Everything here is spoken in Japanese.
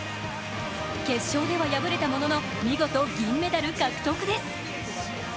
決勝では敗れたものの、見事銀メダル獲得です。